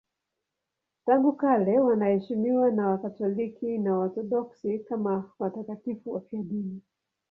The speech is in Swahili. Tangu kale wanaheshimiwa na Wakatoliki na Waorthodoksi kama watakatifu wafiadini.